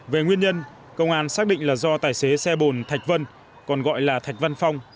về nguyên nhân công an xác định là do tài xế xe bồn thạch vân còn gọi là thạch văn phong